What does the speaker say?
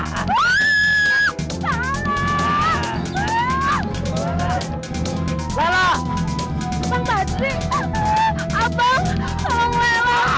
happy perlahan ahmed kejadian frater